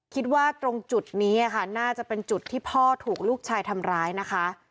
คิดว่าตรงจุดนี้ค่ะน่าจะเป็นจุดที่พ่อถูกลูกชายทำร้ายนะคะ